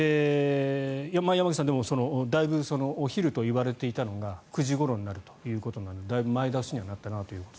山口さんお昼と言われていたのが９時ごろになるということなのでだいぶ前倒しにはなったなという。